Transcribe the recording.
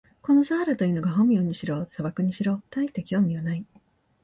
このサハラというのが本名にしろ、砂漠にしろ、たいして興味はない。